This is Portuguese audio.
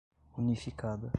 unificada